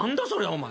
お前。